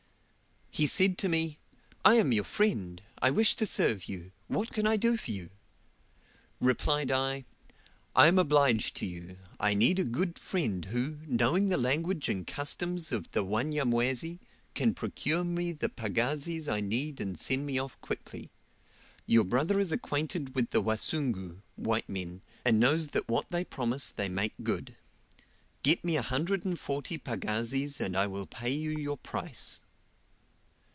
Said he to me, "I am your friend; I wish to serve you., what can I do for you?" Replied I, "I am obliged to you, I need a good friend who, knowing the language and Customs of the Wanyamwezi, can procure me the pagazis I need and send me off quickly. Your brother is acquainted with the Wasungu (white men), and knows that what they promise they make good. Get me a hundred and forty pagazis and I will pay you your price."